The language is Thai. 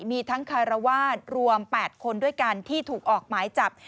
มีทั้งคารวาสรวม๘คนด้วยกันที่ถูกออกหมายจับ